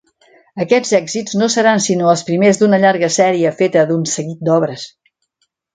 Aquests èxits no seran sinó els primers d'una llarga sèrie feta d'un seguit d'obres.